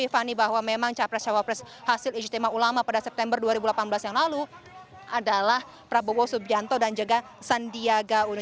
fani bahwa memang capres cawapres hasil ijtima ulama pada september dua ribu delapan belas yang lalu adalah prabowo subianto dan juga sandiaga uno